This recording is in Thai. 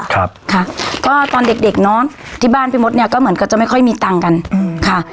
ค่ะก็ตอนเด็กน้องที่บ้านพี่มดเนี้ยก็เหมือนกับจะไม่ค่อยมีตังค์กันค่ะ